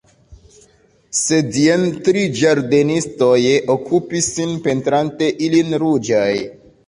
Sed jen tri ĝardenistoj okupis sin pentrante ilin ruĝaj.